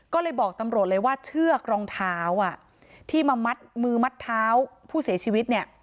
ก็เลยบอกตำรวจเลยว่าเชือกรองเท้าที่มามัดมือมัดเท้าผู้เสียชีวิตเนี่ย